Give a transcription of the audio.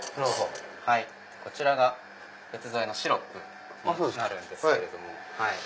こちらが別添えのシロップになるんですけれども。